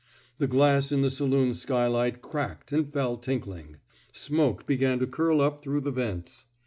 The glass in the saloon skylight cracked and fell tinkling. Smoke began to curl up through the vents.